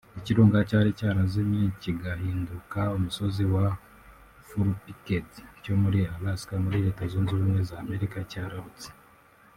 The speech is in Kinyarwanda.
Ikirunga cyari cyarazimye kigahinduka umusozi wa Fourpeaked cyo muri Alaska muri Leta zunze ubumwe za Amerika cyararutse